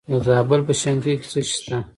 د زابل په شنکۍ کې څه شی شته؟